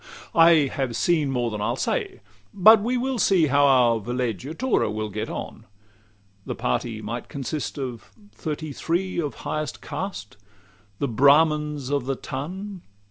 LXXXIII I have seen more than I'll say: but we will see How our villeggiatura will get on. The party might consist of thirty three Of highest caste the Brahmins of the ton.